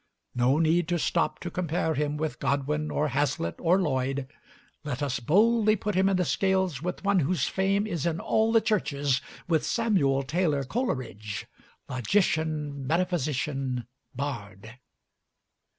No need to stop to compare him with Godwin, or Hazlitt, or Lloyd; let us boldly put him in the scales with one whose fame is in all the churches with Samuel Taylor Coleridge, "logician, metaphysician, bard."